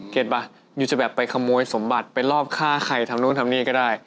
ป่ะยูจะแบบไปขโมยสมบัติไปรอบฆ่าใครทำนู่นทำนี่ก็ได้